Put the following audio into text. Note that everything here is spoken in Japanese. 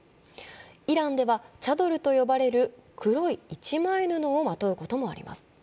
イランではチャドルと呼ばれる黒い一枚布を着ることもあります。